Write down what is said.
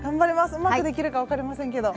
うまくできるか分かりませんけど。